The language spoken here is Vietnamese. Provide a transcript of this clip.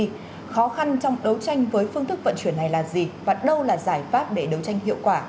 tuy khó khăn trong đấu tranh với phương thức vận chuyển này là gì và đâu là giải pháp để đấu tranh hiệu quả